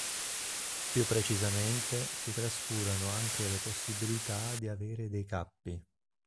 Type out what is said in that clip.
Più precisamente si trascurano anche le possibilità di avere dei cappi.